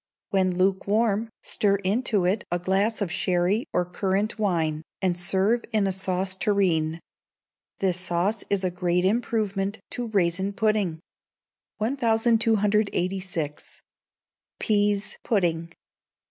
When lukewarm, stir into it a glass of sherry or currant wine, and serve in a sauce tureen. This sauce is a great improvement to raisin pudding. 1286. Peas Pudding.